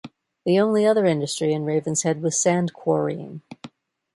The only other industry in Ravenshead was sand quarrying.